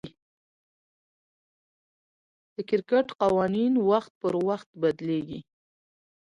د کرکټ قوانين وخت پر وخت بدليږي.